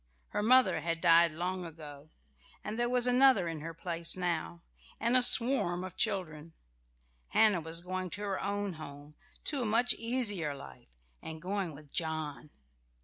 Her mother had died long ago, and there was another in her place now, and a swarm of children. Hannah was going to her own home, to a much easier life, and going with John.